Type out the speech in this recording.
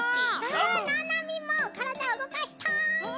ななみもからだうごかしたい。